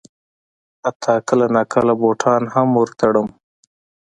حتی کله ناکله بوټان هم ور تړم.